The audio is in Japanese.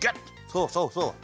そうそうそう。